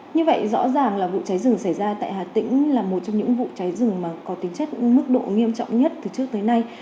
như vậy rõ ràng là vụ cháy rừng xảy ra tại hà tĩnh là một trong những vụ cháy rừng mà có tính chất mức độ nghiêm trọng nhất từ trước tới nay